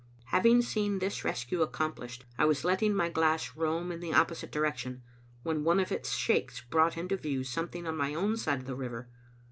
Having seen this rescue accomplished, I was letting my glass roam in the opposite direction, when one of its shakes brought into view something on my own side of the river.